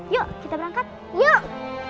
yuk kita berangkat yuk